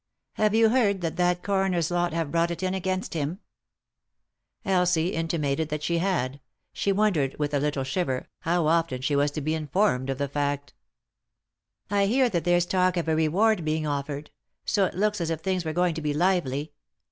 Have you heard that that coroner's lot have brought it in against him ?" Elsie intimated that she had ; she wondered, with a little shiver, how often she was to be informed of the fact. " I hear that there's talk of a reward being offered ; so it looks as if things were going to be lively.